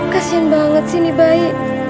kasian banget sih ini bayi